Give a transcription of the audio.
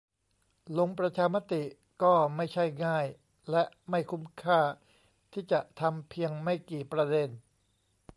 ลงประชามติก็ไม่ใช่ง่ายและไม่คุ้มค่าที่จะทำเพียงไม่กี่ประเด็น